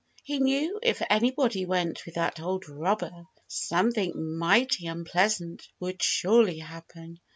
He knew if anybody went with that old robber something mighty unpleasant would surely happen.